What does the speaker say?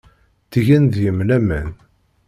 Ttgen deg-m laman.